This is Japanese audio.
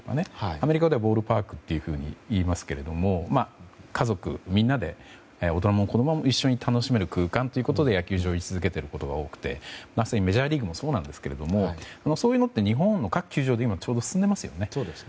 アメリカではボールパークといいますけど家族みんなで大人も子供も一緒に楽しめる空間ということで野球場はあり続けていることが多くてメジャーリーグもそうですがそういうのって日本の各球場でちょうど今、進んでいますよね。